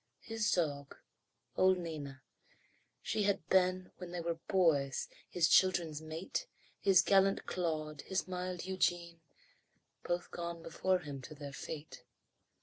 His dog, old Nina. She had been, When they were boys, his children's mate, His gallant Claude, his mild Eugene, Both gone before him to their fate.